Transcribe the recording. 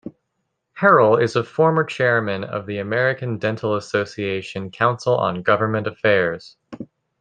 Harrell is a former chairman of the American Dental Association Council on Governmental Affairs.